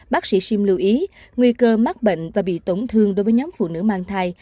bác sĩ sim lưu ý nguy cơ mắc bệnh và bị tổn thương đối với nhóm phụ nữ mang thai